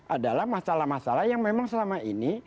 adalah masalah masalah yang memang selama ini